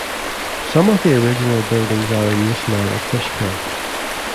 Some of the original buildings are in use now at Fishkill.